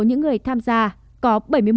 những người tham gia có bảy mươi một hai